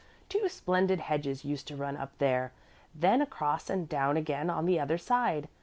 Two splendid hedges used to run up there, then across and down again on the other side.